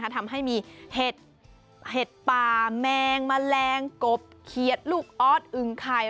ทำให้มีเห็ดป่าแมงแมลงกบเขียดลูกออสอึงไข่